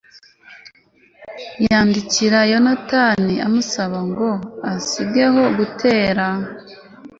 yandikira yonatani amusaba ngo asigeho gutera